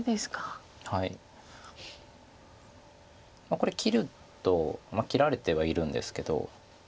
これ切ると切られてはいるんですけど。